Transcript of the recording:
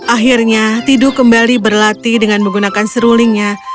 akhirnya tidu kembali berlatih dengan menggunakan serulingnya